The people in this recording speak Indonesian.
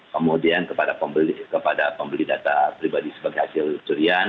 kemudian kepada pembeli data pribadi sebagai hasil curian